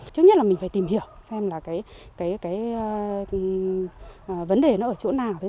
trước nhất là mình phải tìm hiểu xem là cái vấn đề nó ở chỗ nào